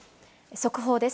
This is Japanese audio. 速報です。